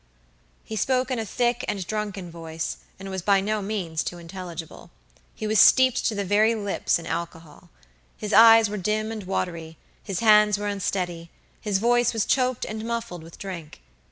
He spoke in a thick and drunken voice, and was by no means too intelligible. He was steeped to the very lips in alcohol. His eyes were dim and watery; his hands were unsteady; his voice was choked and muffled with drink.